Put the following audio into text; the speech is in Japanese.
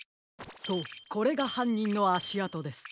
そうこれがはんにんのあしあとです。